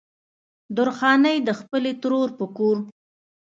درخانۍ د خپلې ترور په کور